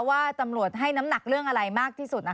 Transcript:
ว่าตำรวจให้น้ำหนักเรื่องอะไรมากที่สุด